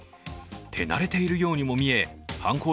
手慣れているようにも見え犯行